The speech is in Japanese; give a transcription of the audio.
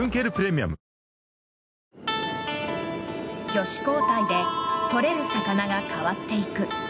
魚種交代で取れる魚が変わっていく。